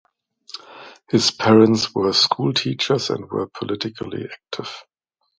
His parents were schoolteachers and were politically active.